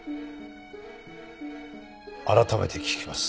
改めて聞きます。